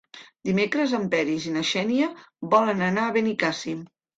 Dimecres en Peris i na Xènia volen anar a Benicàssim.